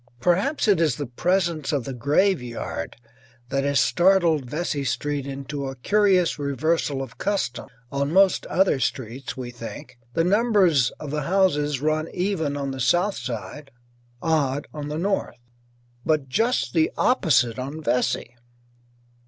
Perhaps it is the presence of the graveyard that has startled Vesey Street into a curious reversal of custom. On most other streets, we think, the numbers of the houses run even on the south side, odd on the north. But just the opposite on Vesey.